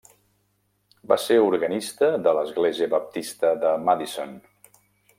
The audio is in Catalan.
Va ser organista de l'església baptista de Madison.